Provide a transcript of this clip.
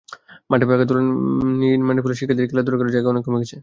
মাঠে পাকা দোকান নির্মাণের ফলে শিক্ষার্থীদের খেলাধুলা করার জায়গা অনেক কমে গেছে।